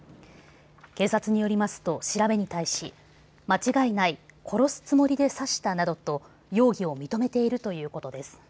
警察によりますと調べに対し間違いない、殺すつもりで刺したなどと容疑を認めているということです。